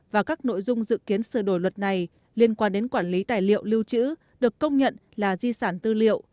và các nội dung dự kiến sửa đổi luật này liên quan đến quản lý tài liệu lưu trữ được công nhận là di sản tư liệu